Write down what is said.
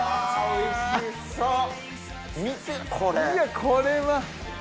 いやこれは。